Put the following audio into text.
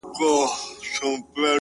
o په سل ځله دي غاړي ته لونگ در اچوم ـ